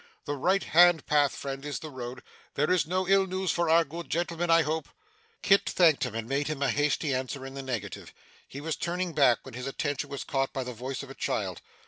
The right hand path, friend, is the road. There is no ill news for our good gentleman, I hope?' Kit thanked him, and made him a hasty answer in the negative; he was turning back, when his attention was caught by the voice of a child.